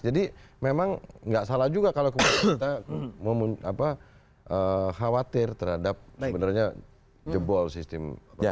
jadi memang nggak salah juga kalau kita khawatir terhadap sebenarnya jebol sistem